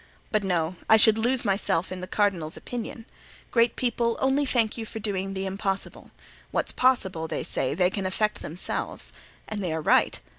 But, no! I should lose myself in the cardinal's opinion. Great people only thank you for doing the impossible; what's possible, they say, they can effect themselves, and they are right.